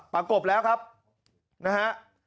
ประกบแล้วครับนะฮะ